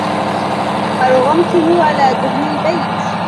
أرغمته على دهن البيت.